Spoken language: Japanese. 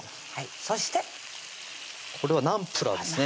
そしてこれはナンプラーですね